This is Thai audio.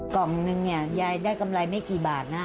กล่องนึงเนี่ยยายได้กำไรไม่กี่บาทนะ